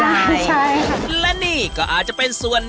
การที่บูชาเทพสามองค์มันทำให้ร้านประสบความสำเร็จ